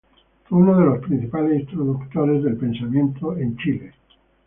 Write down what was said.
Fue uno de los principales introductores del pensamiento de en Chile.